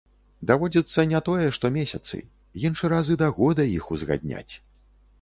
Даводзіцца не тое што месяцы, іншы раз і да года іх узгадняць.